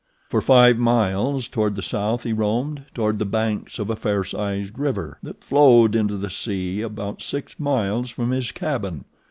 For five miles toward the south he roamed, toward the banks of a fair sized river that flowed into the sea about six miles from his cabin.